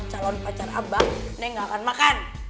calon pacar abah neng enggak akan makan